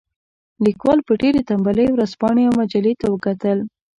لیکوال په ډېرې تنبلۍ ورځپاڼې او مجلې ته وکتل.